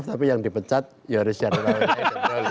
tapi yang dipecat yoris yadolawayo dan dolly